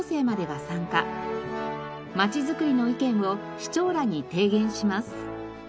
まちづくりの意見を市長らに提言します。